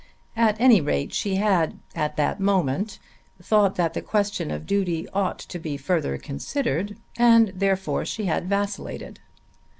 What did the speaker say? At any rate she had at that moment thought that the question of duty ought to be further considered, and therefore she had vacillated.